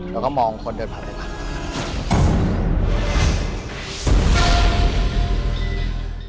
แล้วก็มองคนเดินผ่านไปผ่าน